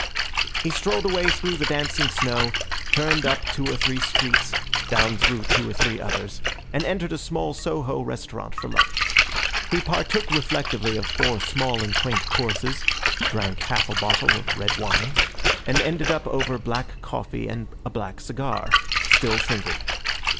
He strolled away through the dancing snow, turned up two or three streets, down through two or three others, and entered a small Soho restaurant for lunch. He partook reflectively of four small and quaint courses, drank half a bottle of red wine, and ended up over black coffee and a black cigar, still thinking.